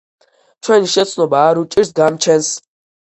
ჩვენი შეცნობა არ უჭირს გამჩენს.